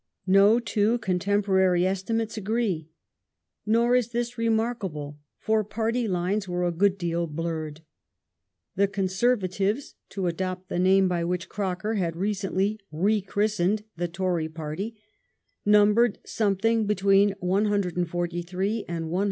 No two contemporary estimates agree. Nor is this remarkable, for party lines were a good deal blurred. The Conservatives (to adopt the name by which Croker had recently re christened the Tory party) numbered something between 143 and 167.